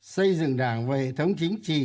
xây dựng đảng và hệ thống chính trị